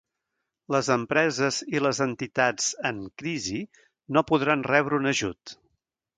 Les empreses i les entitats en "crisi" no podran rebre un ajut.